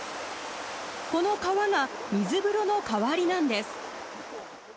この川が水風呂の代わりなんです。